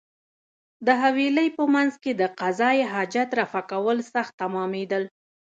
د حویلۍ په مېنځ کې د قضای حاجت رفع کول سخت تمامېدل.